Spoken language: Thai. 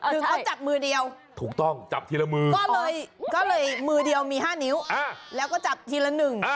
คือเขาจับมือเดียวถูกต้องจับทีละมือก็เลยมือเดียวมี๕นิ้วแล้วก็จับทีละหนึ่ง